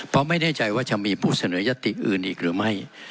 เพราะไม่แน่ใจว่าจะมีผู้เสนอยติอื่นอีกหรือไม่